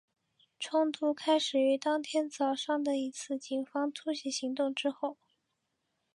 冲突开始于当天早上的一次警方突袭行动之后。